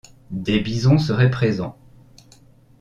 Des bisons seraient présents.